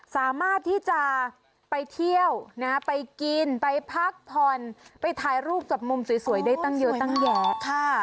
สามารถที่จะไปเที่ยวนะไปกินไปพักผ่อนไปถ่ายรูปกับมุมสวยได้ตั้งเยอะตั้งแยะ